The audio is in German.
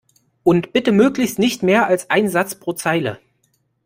Und bitte möglichst nicht mehr als ein Satz pro Zeile!